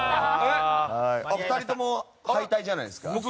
お二人とも敗退じゃないですか？